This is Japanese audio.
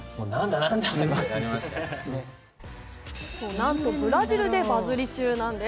なんとブラジルでバズり中なんです。